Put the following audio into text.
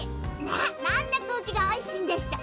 なんてくうきがおいしいんでしょ。